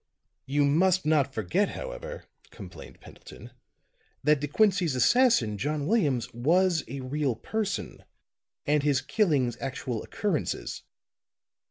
"You must not forget, however," complained Pendleton, "that De Quincey's assassin, John Williams, was a real person, and his killings actual occurrences.